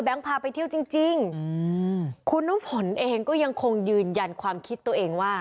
พาไปเที่ยวจริงจริงอืมคุณน้ำฝนเองก็ยังคงยืนยันความคิดตัวเองว่า